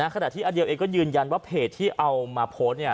ขณะที่อเดียลเองก็ยืนยันว่าเพจที่เอามาโพสต์